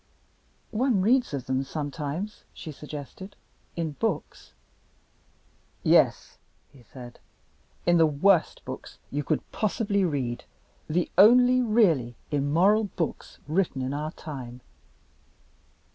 "One reads of them sometimes," she suggested, "in books." "Yes," he said. "In the worst books you could possibly read the only really immoral books written in our time."